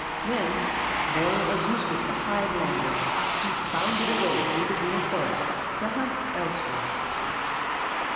Then, knowing it was useless to hide longer, he bounded away through the Green Forest to hunt elsewhere.